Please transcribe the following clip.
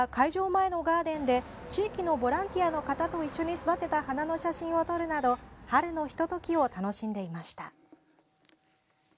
前のガーデンで地域のボランティアの方と一緒に育てた花の写真を撮るなど春のひとときを楽しんでいました。